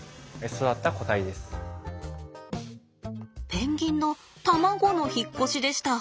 ペンギンの卵の引っ越しでした。